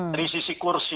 dari sisi kursi